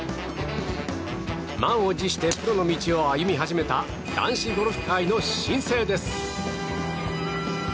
満を持してプロの道を歩み始めた男子ゴルフ界の新星です。